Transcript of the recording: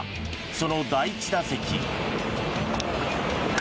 その第１打席。